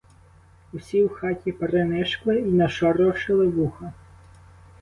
Усі в хаті принишкли й нашорошили вуха.